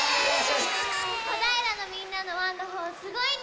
こだいらのみんなの「ワンダホー」すごいね。